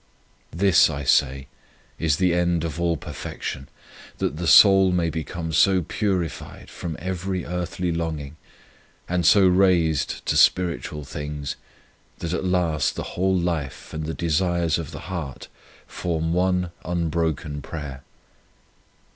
This, I say, is the end of all per fection that the soul may become so purified from every earthly longing, and so raised to spiritual things, that at last the whole life and the desires of the heart form one unbroken prayer.